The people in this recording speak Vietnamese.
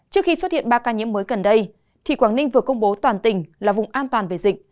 trước khi xuất hiện ba ca nhiễm mới gần đây thì quảng ninh vừa công bố toàn tỉnh là vùng an toàn về dịch